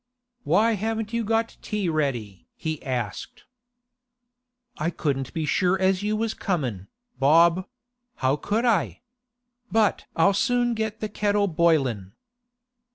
'Why haven't you got tea ready?' he asked. 'I couldn't be sure as you was comin', Bob; how could I? But I'll soon get the kettle boilin'.